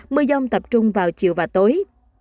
mưa dông tập trung vào chiều và tối